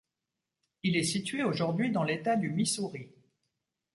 Il et situé aujourd'hui dans l'État du Missouri.